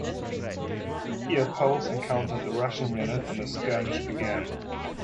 Here, Poles encountered a Russian unit, and a skirmish began.